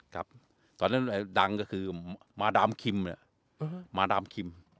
ครับตอนนี้ดังก็คือมดามคิม